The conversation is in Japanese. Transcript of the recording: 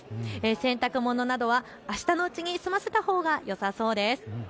洗濯物などはあしたのうちに済ませたほうがよさそうです。